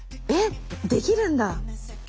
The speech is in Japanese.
えっできるんだ。